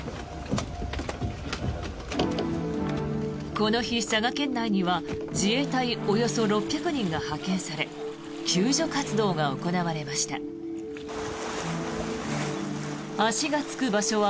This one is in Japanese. この日、佐賀県内には自衛隊およそ６００人が派遣され救助活動が行われました。